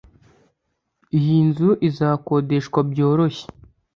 Iyi nzu izakodeshwa byoroshye